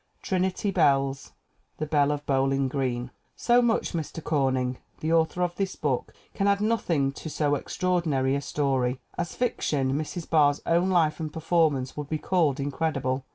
Trinity Bells. The Belle of Bowling Green. So much Mr. Corning. The author of this book can add nothing to so extraordinary a story. As fic tion, Mrs. Barr's own life and performance would be called incredible.